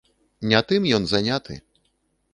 Не тым ён заняты.